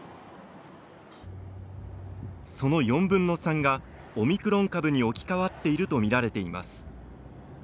その４分の３が、オミクロン株に置き換わっていると見られています。